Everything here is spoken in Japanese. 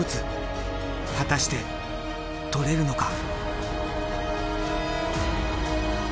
果たして採れるのか？